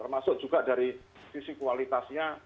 termasuk juga dari sisi kualitasnya